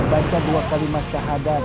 baca dua kalimat syahadat